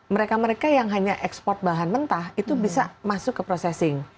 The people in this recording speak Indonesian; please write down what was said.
mereka mereka yang hanya ekspor bahan mentah itu bisa masuk ke processing